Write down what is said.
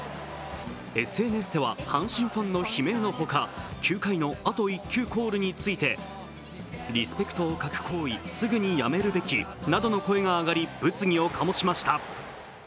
ＳＮＳでは、阪神ファンの悲鳴のほか、９回のあと１球コールについてリスペクトを欠く行為、すぐにやめるべきなどの声が上がり物議を醸しました。